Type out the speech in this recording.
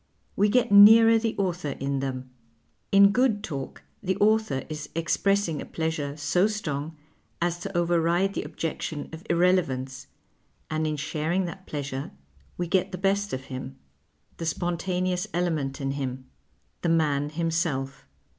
We get nearer the author in them ; in good talk the author is expressing a pleasure so strong as to override the objection of irrelevance, and in sharing that j)lcasure we get the best of him, the spontaneous element in him, the man himself.